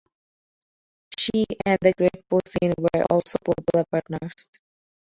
She and the Great Po Sein were also popular partners.